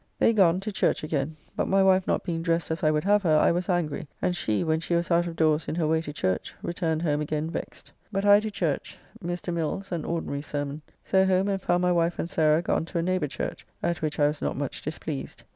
They gone, to church again; but my wife not being dressed as I would have her, I was angry, and she, when she was out of doors in her way to church, returned home again vexed. But I to church, Mr. Mills, an ordinary sermon. So home, and found my wife and Sarah gone to a neighbour church, at which I was not much displeased.